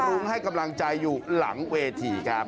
รุ้งให้กำลังใจอยู่หลังเวทีครับ